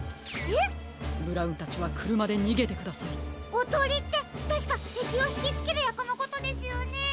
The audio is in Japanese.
おとりってたしかてきをひきつけるやくのことですよね？